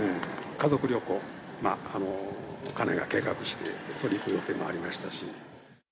家族旅行、家内が計画して、それ、行く予定もありましたし。